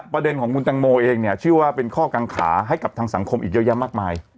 ประเด็นของคุณตังโมเองเนี่ยเชื่อว่าเป็นข้อกังขาให้กับทางสังคมอีกเยอะแยะมากมาย